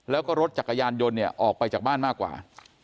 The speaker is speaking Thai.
แล้วก็รถจักรยานยนต์เนี่ยออกไปจากบ้านมากกว่า